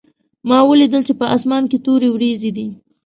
ما ولیدل چې په اسمان کې تورې وریځې دي